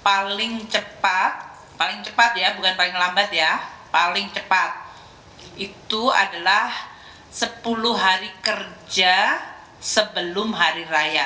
paling cepat paling cepat ya bukan paling lambat ya paling cepat itu adalah sepuluh hari kerja sebelum hari raya